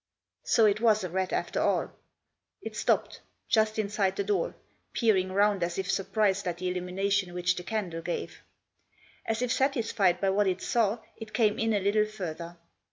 So it was a rat after all. It stopped, just inside the door, peering round, as if surprised at the illumination which the candle gave. As if satisfied by what it saw it came in a little further.